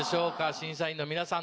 審査員の皆さん